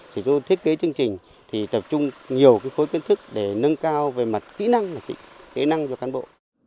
thì tôi thiết kế chương trình tập trung nhiều khối kiến thức để nâng cao về mặt kỹ năng cho cán bộ